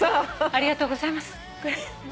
ありがとうございます。